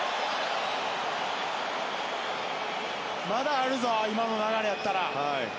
まだあるぞ、今の流れやったら。